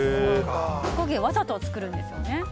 おこげ、わざと作るんですよね。